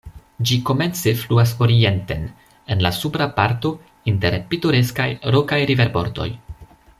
Ĝi komence fluas orienten, en la supra parto inter pitoreskaj, rokaj riverbordoj.